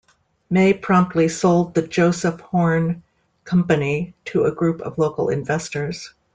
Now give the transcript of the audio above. May promptly sold The Joseph Horne Company to a group of local investors.